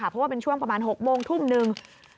เพราะว่าเป็นช่วงประมาณ๖โมงทุ่มหนึ่ง